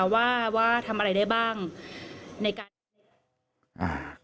ว่าทำอะไรได้บ้างในการ